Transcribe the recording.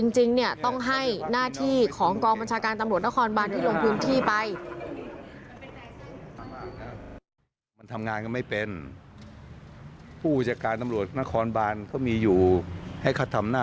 จริงต้องให้หน้าที่ของกองบัญชาการตำรวจนครบาน